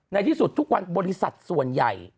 ในที่สุดทุกวันบริษัทส่วนใหญ่